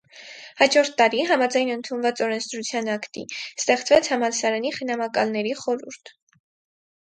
Հաջորդ տարի, համաձայն ընդունված օրենսդրության ակտի, ստեղծվեց համալսարանի խնամակալների խորհուրդ։